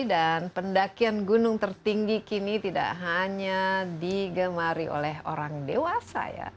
dan pendakian gunung tertinggi kini tidak hanya digemari oleh orang dewasa ya